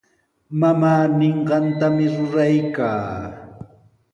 Mamaa ninqantami ruraykaa.